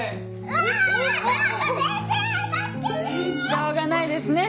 しょうがないですね。